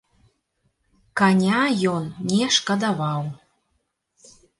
Каня ён не шкадаваў.